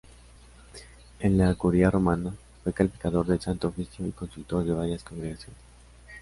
En la Curia romana, fue calificador del Santo Oficio y consultor de varias Congregaciones.